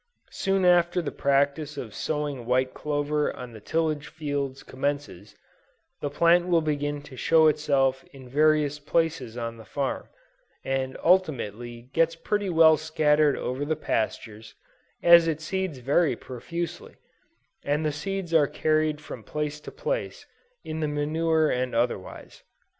Soon after the practice of sowing white clover on the tillage fields commences, the plant will begin to show itself in various places on the farm, and ultimately gets pretty well scattered over the pastures, as it seeds very profusely, and the seeds are carried from place to place in the manure and otherwise.